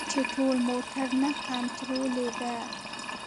چې ټول موټر نه کنترولیده.